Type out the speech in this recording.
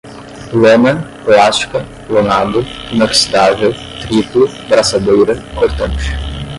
lona, plástica, lonado, inoxidável, triplo, braçadeira, cortante